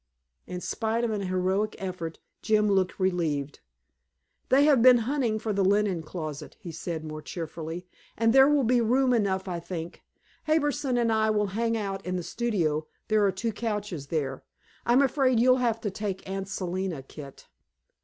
In spite of an heroic effort, Jim looked relieved. "They have been hunting for the linen closet," he said, more cheerfully, "and there will be room enough, I think. Harbison and I will hang out in the studio; there are two couches there. I'm afraid you'll have to take Aunt Selina, Kit."